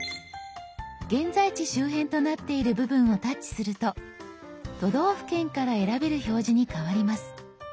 「現在地周辺」となっている部分をタッチすると都道府県から選べる表示に変わります。